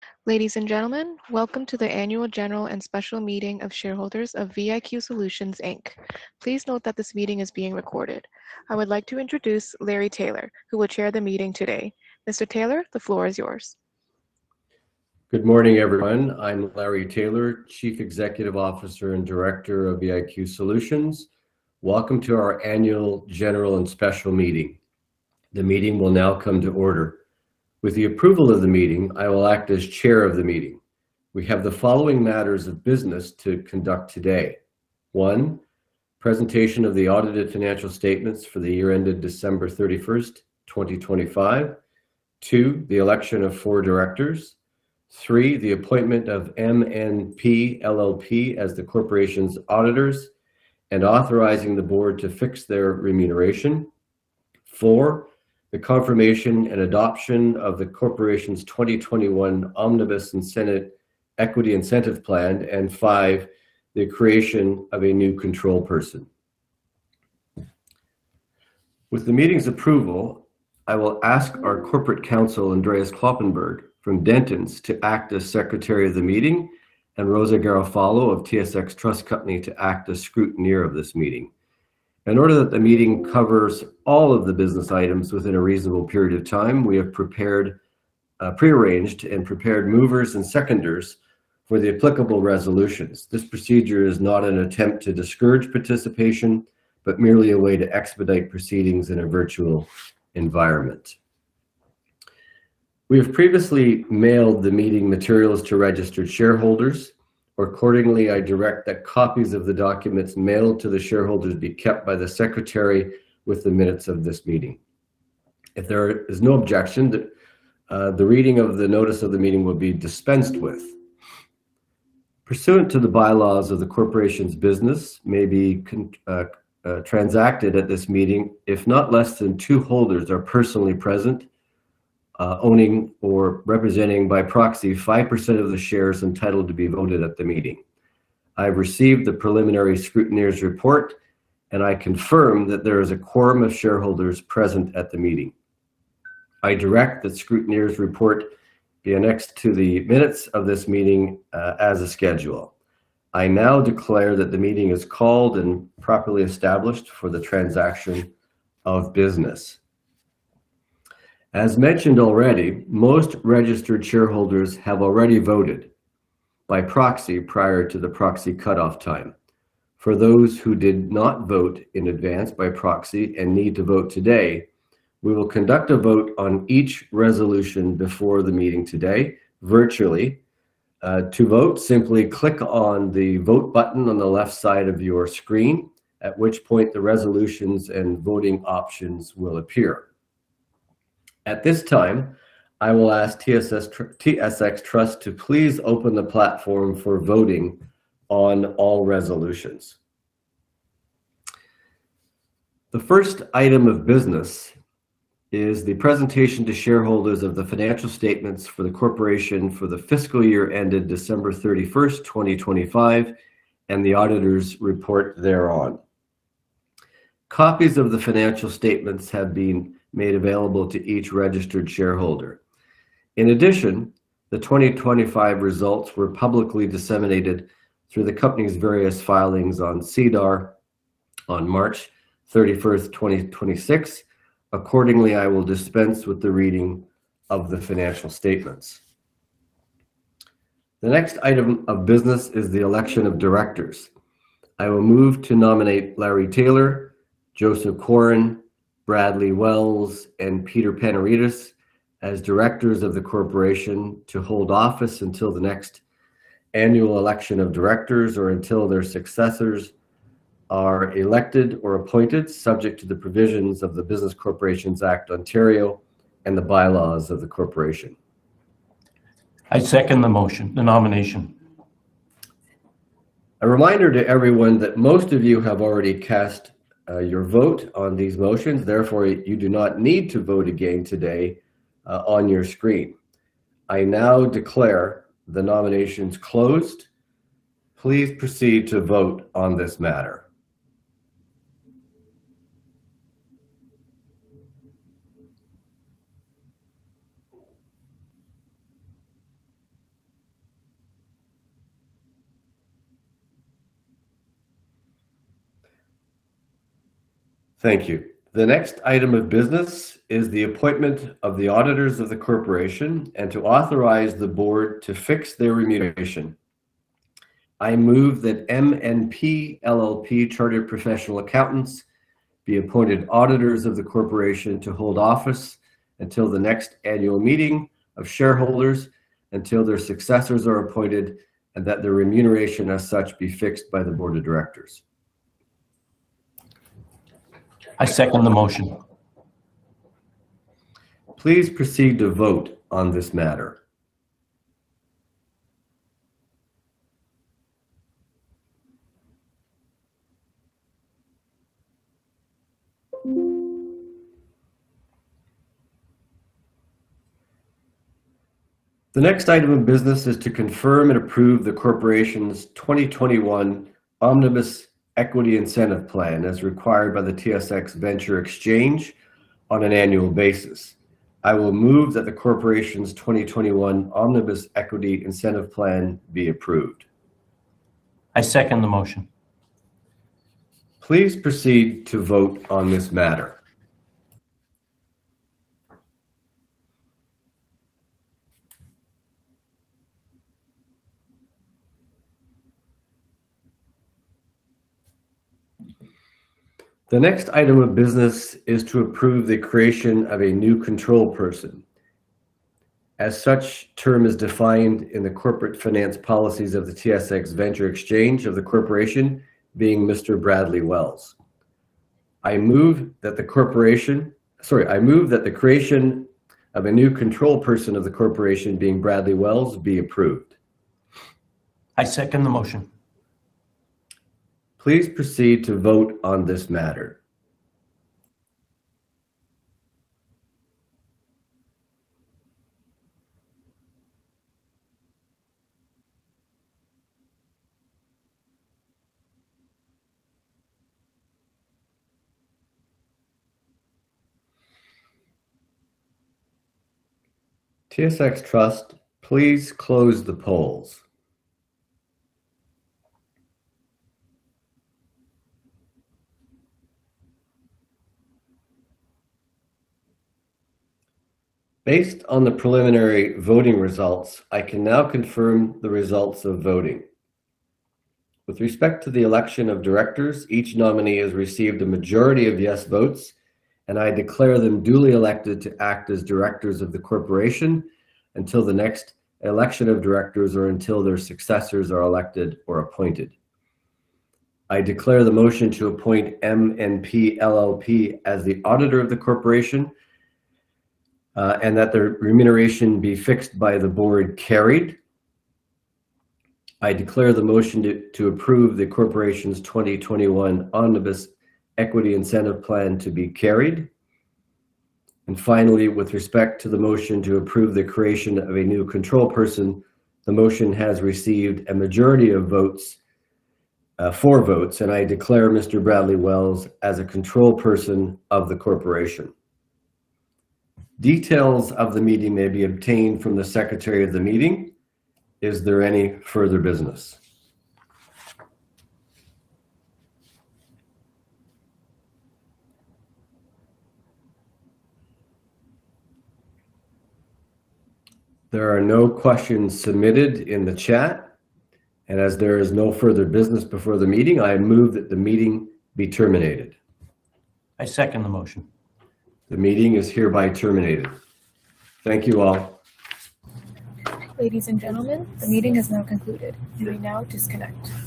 Ladies and gentlemen, welcome to the Annual General and Special Meeting of Shareholders of VIQ Solutions Inc. Please note that this meeting is being recorded. I would like to introduce Larry Taylor, who will chair the meeting today. Mr. Taylor, the floor is yours. Good morning, everyone. I'm Larry Taylor, Chief Executive Officer and Director of VIQ Solutions. Welcome to our Annual General and Special Meeting. The meeting will now come to order. With the approval of the meeting, I will act as chair of the meeting. We have the following matters of business to conduct today. One, presentation of the audited financial statements for the year ended December 31st, 2025. Two, the election of four directors. Three, the appointment of MNP LLP as the corporation's auditors and authorizing the board to fix their remuneration. Four, the confirmation and adoption of the corporation's 2021 Omnibus Equity Incentive Plan. Five, the creation of a new control person. With the meeting's approval, I will ask our corporate counsel, Andreas Kloppenborg from Dentons, to act as Secretary of the meeting, and Rosa Garofalo of TSX Trust Company to act as Scrutineer of this meeting. In order that the meeting covers all of the business items within a reasonable period of time, we have prearranged and prepared movers and seconders for the applicable resolutions. This procedure is not an attempt to discourage participation, but merely a way to expedite proceedings in a virtual environment. We have previously mailed the meeting materials to registered shareholders. Accordingly, I direct that copies of the documents mailed to the shareholders be kept by the secretary with the minutes of this meeting. If there is no objection, the reading of the notice of the meeting will be dispensed with. Pursuant to the bylaws of the corporation's business, may be transacted at this meeting, if not less than two holders are personally present, owning or representing by proxy 5% of the shares entitled to be voted at the meeting. I received the preliminary scrutineer's report, I confirm that there is a quorum of shareholders present at the meeting. I direct that scrutineer's report be annexed to the minutes of this meeting as a schedule. I now declare that the meeting is called and properly established for the transaction of business. As mentioned already, most registered shareholders have already voted by proxy prior to the proxy cutoff time. For those who did not vote in advance by proxy and need to vote today, we will conduct a vote on each resolution before the meeting today virtually. To vote, simply click on the vote button on the left side of your screen, at which point the resolutions and voting options will appear. At this time, I will ask TSX Trust to please open the platform for voting on all resolutions. The first item of business is the presentation to shareholders of the financial statements for the corporation for the fiscal year ended December 31st, 2025, and the auditors report thereon. Copies of the financial statements have been made available to each registered shareholder. In addition, the 2025 results were publicly disseminated through the company's various filings on SEDAR on March 31st, 2026. Accordingly, I will dispense with the reading of the financial statements. The next item of business is the Election of Directors. I will move to nominate Larry Taylor, Joseph Quarin, Bradley Wells, and Peter Panaritis as directors of the corporation to hold office until the next annual Election of Directors or until their successors are elected or appointed subject to the provisions of the Business Corporations Act, Ontario and the bylaws of the corporation. I second the motion, the nomination. A reminder to everyone that most of you have already cast your vote on these motions. Therefore, you do not need to vote again today on your screen. I now declare the nominations closed. Please proceed to vote on this matter. Thank you. The next item of business is the appointment of the auditors of the corporation and to authorize the board to fix their remuneration. I move that MNP LLP Chartered Professional Accountants be appointed auditors of the corporation to hold office until the next annual meeting of shareholders, until their successors are appointed, and that their remuneration as such be fixed by the Board of Directors. I second the motion. Please proceed to vote on this matter. The next item of business is to confirm and approve the corporation's 2021 Omnibus Equity Incentive Plan as required by the TSX Venture Exchange on an annual basis. I will move that the corporation's 2021 Omnibus Equity Incentive Plan be approved. I second the motion. Please proceed to vote on this matter. The next item of business is to approve the creation of a new control person, as such term is defined in the corporate finance policies of the TSX Venture Exchange of the corporation being Mr. Bradley Wells. I move that the creation of a new control person of the corporation being Bradley Wells be approved. I second the motion. Please proceed to vote on this matter. TSX Trust, please close the polls. Based on the preliminary voting results, I can now confirm the results of voting. With respect to the Election of Directors, each nominee has received a majority of yes votes, and I declare them duly elected to act as directors of the corporation until the next election of directors, or until their successors are elected or appointed. I declare the motion to appoint MNP LLP as the auditor of the corporation, and that their remuneration be fixed by the board carried. I declare the motion to approve the corporation's 2021 Omnibus Equity Incentive Plan to be carried. And finally, with respect to the motion to approve the creation of a new control person, the motion has received a majority of for votes, and I declare Mr. Bradley Wells as a control person of the corporation. Details of the meeting may be obtained from the secretary of the meeting. Is there any further business? There are no questions submitted in the chat. As there is no further business before the meeting, I move that the meeting be terminated. I second the motion. The meeting is hereby terminated. Thank you all. Ladies and gentlemen, the meeting has now concluded. You may now disconnect.